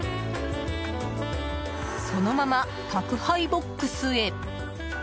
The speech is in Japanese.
そのまま、宅配ボックスへ。